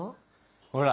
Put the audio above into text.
ほら！